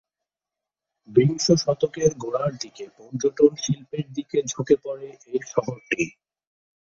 বিংশ শতকের গোড়ার দিকে পর্যটন শিল্পের দিকে ঝুঁকে পড়ে এ শহরটি।